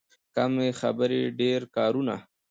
کم خبرې، ډېر کارونه.